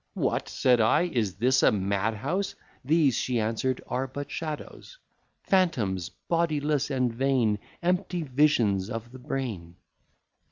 What! said I, is this a mad house? These, she answer'd, are but shadows, Phantoms bodiless and vain, Empty visions of the brain.